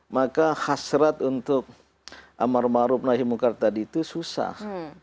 maka hasrat untuk amar marub nahi mukartad itu susah